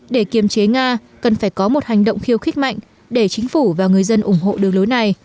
để kiềm chế nga cần phải có một hành động khiêu khích mạnh để chính phủ và người dân ủng hộ đường lối này